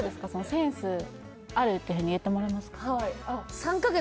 「センスある」っていうふうに言ってもらえますか？